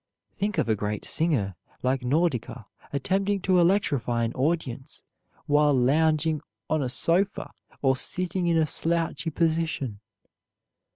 Think of a great singer like Nordica attempting to electrify an audience while lounging on a sofa or sitting in a slouchy position.